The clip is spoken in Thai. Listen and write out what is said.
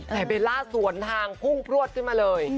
แต่เบลล่าสวนทางพุ่งพลวดขึ้นมาเลย